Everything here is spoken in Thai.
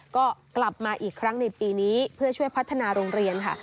ก็กลับมาอีกครั้งในปีนี้เพื่อช่วยพัฒนาโรงเรียนค่ะ